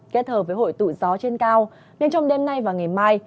kết hợp với hội tụ gió trên cao nên trong đêm nay và ngày mai